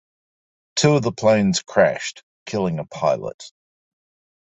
Two of the planes crashed, killing a pilot.